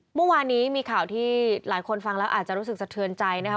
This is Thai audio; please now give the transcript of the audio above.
เมื่อวานนี้มีข่าวที่หลายคนฟังแล้วอาจจะรู้สึกสะเทือนใจนะคะ